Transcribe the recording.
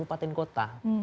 ada di kota